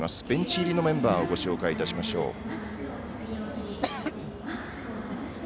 ベンチ入りのメンバーをご紹介いたしましょう。